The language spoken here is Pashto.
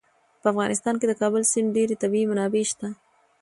په افغانستان کې د کابل سیند ډېرې طبعي منابع شته.